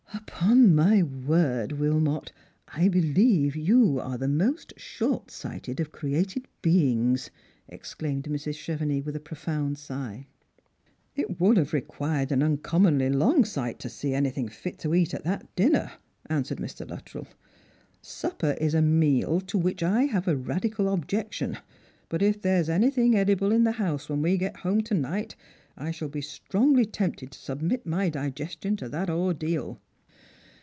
" Upon my word, Wilmot, I believe you are the most short eighted of created beings," exclaimed Mrs. Chevenix, with a pro found sigh. " It would have required an uncommonly long sight to see any thing fit to eat at that dinner," answered Mr. Luttrell. " Supper is a meal to which I have a radical objection ; but if there's any thing edible in the house when we get home to night, I shall be strongly tempted to submit my digestion to that ordeal."